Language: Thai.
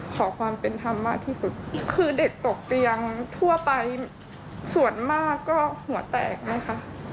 ขอความเป็นธรรมมากที่สุดคือเด็กตกเตียงทั่วไปส่วนมากก็หัวแตกนะคะ